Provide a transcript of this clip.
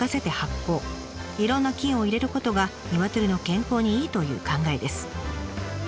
いろんな菌を入れることがニワトリの健康にいいという考えです。